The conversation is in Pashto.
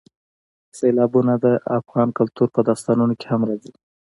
سیلابونه د افغان کلتور په داستانونو کې هم راځي.